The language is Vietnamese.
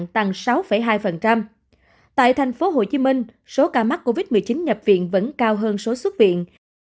tại thành phố hồ chí minh số ca mắc covid một mươi chín nhập viện vẫn cao hơn số xuất viện